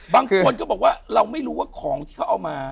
บางคนก็บอกว่าเราไม่รู้ว่าของที่เขาเอามา